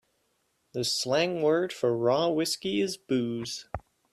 The slang word for raw whiskey is booze.